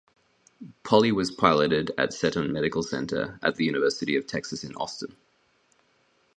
Poli was piloted at Seton Medical Center at the University of Texas in Austin.